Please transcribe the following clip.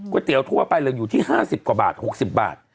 เตี๋ยทั่วไปเลยอยู่ที่๕๐กว่าบาท๖๐บาท